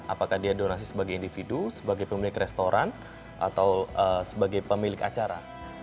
apakah dia donasi sebagai individu sebagai pemilik restoran atau sebagai pemilik acara